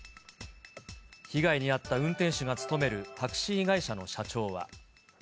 被害に遭った運転手が勤めるタクシー会社の社長は。